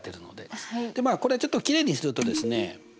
まあこれちょっときれいにするとですね